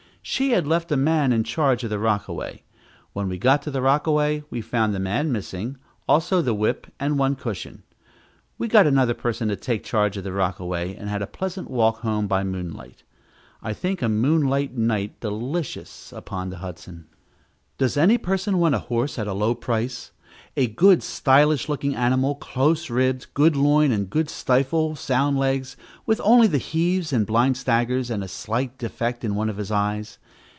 She had left a man in charge of the rockaway. When we got to the rockaway we found the man missing, also the whip and one cushion. We got another person to take charge of the rockaway, and had a pleasant walk home by moonlight. I think a moonlight night delicious, upon the Hudson. Does any person want a horse at a low price? A good stylish looking animal, close ribbed, good loin, and good stifle, sound legs, with only the heaves and blind staggers, and a slight defect in one of his eyes?